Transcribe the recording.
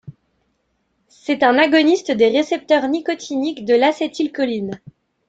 C'est un agoniste des récepteurs nicotiniques de l'acétylcholine.